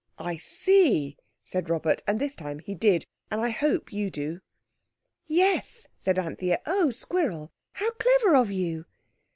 "I see," said Robert, and this time he did, and I hope you do. "Yes," said Anthea. "Oh, Squirrel, how clever of you!"